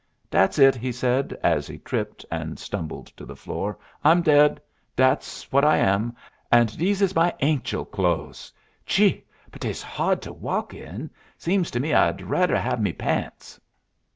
"Dat's it," he said, as he tripped, and stumbled to the floor. "I'm dead, dat's what I am and dese is my anchel clo'es. Chee, but dey's hard to walk in. Seems to me I'd radder have me pants."